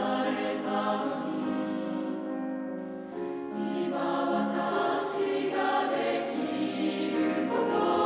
「今私が出来ること」